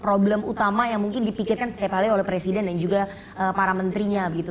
problem utama yang mungkin dipikirkan setiap hari oleh presiden dan juga para menterinya begitu